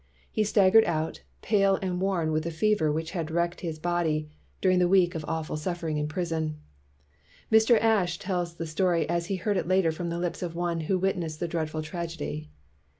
He staggered out, pale and worn with the fever which had wrecked his body during the week of awful suffering in prison. Mr. Ashe tells the story as he heard it later from the lips of one who witnessed the dreadful tragedy.